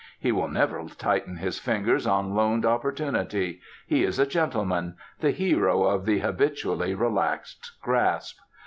He will never tighten his fingers on loaned opportunity; he is a gentleman, the hero of the habitually relaxed grasp.